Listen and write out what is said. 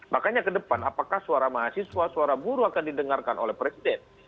makanya ke depan apakah suara mahasiswa suara buruh akan didengarkan oleh presiden